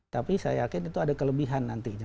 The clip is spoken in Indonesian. tapi saya yakin itu ada kelebihan nantinya